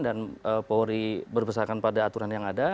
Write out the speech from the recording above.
dan poweri berbesarkan pada aturan yang ada